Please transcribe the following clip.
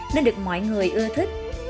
nên được mọi người ưa thích